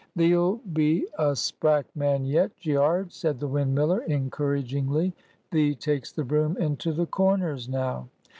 "Thee'll be a sprack man yet, Gearge," said the windmiller, encouragingly. "Thee takes the broom into the corners now."